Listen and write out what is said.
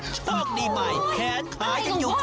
ต้องดีไปแค้นขายังอยู่ครบ